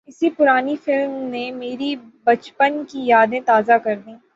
اُس پرانی فلم نے میری بچپن کی یادیں تازہ کردیں